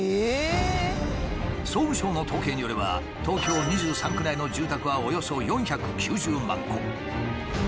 総務省の統計によれば東京２３区内の住宅はおよそ４９０万戸。